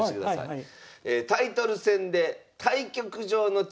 はい。